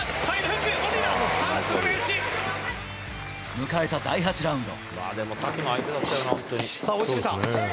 迎えた第８ラウンド。